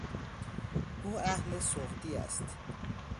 او اهل سغدی است.